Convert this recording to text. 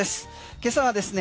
今朝はですね